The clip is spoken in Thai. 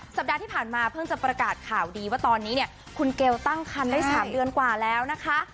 สัปดาห์ที่ผ่านมาเพิ่งจะประกาศข่าวดีว่าตอนนี้เนี่ยคุณเกลตั้งคันได้๓เดือนกว่าแล้วนะคะ